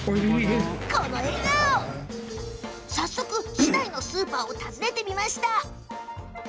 市内のスーパーを訪ねてみました。